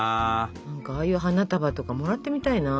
ああいう花束とかもらってみたいな。